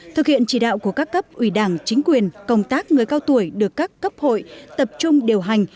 thực hiện chỉ đạo của các cấp ủy đảng chính quyền công tác người cao tuổi được các cấp hội tập trung điều hành